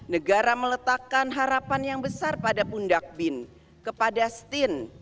negara meletakkan harapan yang besar pada pundak bin kepada stin